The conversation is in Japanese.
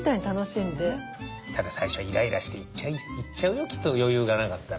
ただ最初はイライラして言っちゃうよきっと余裕がなかったら。